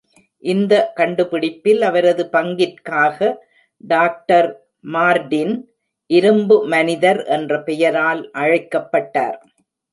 இந்த கண்டுபிடிப்பில் அவரது பங்கிற்காக டாக்டர்.மார்டின் "இரும்பு மனிதர்" என்ற பெயரால் அழைக்கப்பட்டார்.